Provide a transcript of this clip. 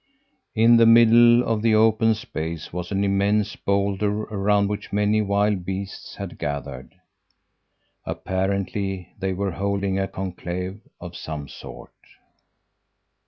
In the middle of the open space was an immense boulder around which many wild beasts had gathered. Apparently they were holding a conclave of some sort.